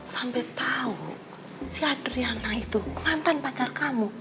sampai tahu si adriana itu mantan pacar kamu